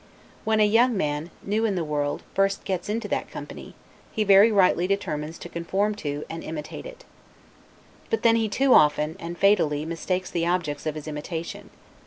When a young man, new in the world, first gets into that company, he very rightly determines to conform to, and imitate it. But then he too often, and fatally, mistakes the objects of his imitation.